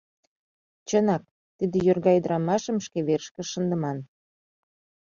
Чынак, тиде йорга ӱдрамашым шке верышкыже шындыман».